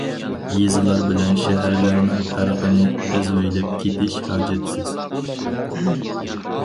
يېزىلار بىلەن شەھەرلەرنىڭ پەرقىنى ئەزۋەيلەپ كېتىش ھاجەتسىز.